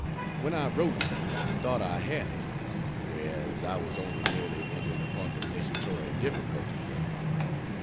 When I wrote you, I thought I had it; whereas I was only merely entering upon the initiatory difficulties of it.